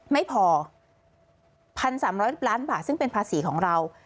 ไม่พอ๑๓๐๐ล้านบาทซึ่งเป็นภาษีของเรา